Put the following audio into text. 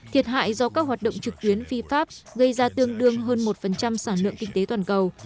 thiệt hại do các hoạt động trực tuyến phi pháp gây ra tương đương hơn một sản lượng kinh tế toàn cầu